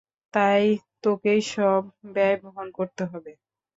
তাই তোকেই সব ব্যয় বহন করতে হবে।